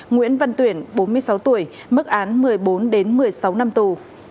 nguyễn văn tuyển bốn mươi sáu tuổi mức án một mươi bốn một mươi sáu năm tù